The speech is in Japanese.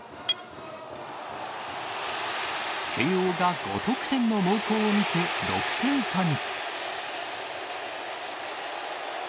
慶応が５得点の猛攻を見せ、６点差に。